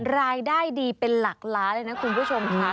รายได้ดีเป็นหลักล้านเลยนะคุณผู้ชมค่ะ